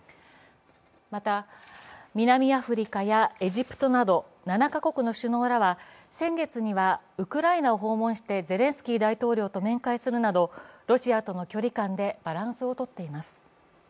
また、南アフリカやエジプトなど７か国の首脳らは先月にはウクライナを訪問してゼレンスキー大統領と面会するなどロシアとの距離感でバランスをとっています。